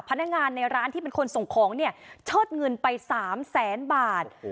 พนักงานในร้านที่เป็นคนส่งของเนี่ยเชิดเงินไป๓แสนบาท